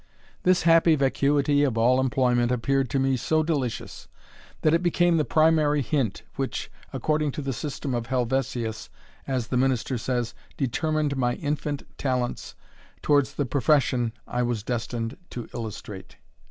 This happy vacuity of all employment appeared to me so delicious, that it became the primary hint, which, according to the system of Helvetius, as the minister says, determined my infant talents towards the profession I was destined to illustrate.